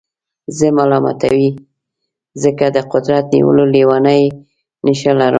زه ملامتوئ ځکه د قدرت نیولو لېونۍ نېشه لرم.